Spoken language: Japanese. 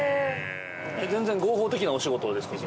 全然合法的なお仕事ですか？